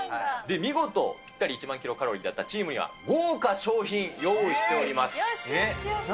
見事、ぴったり１万キロカロリーだったチームには、豪華賞品、用意してよしよしよし。